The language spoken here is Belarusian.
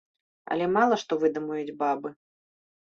Але мала што выдумаюць бабы.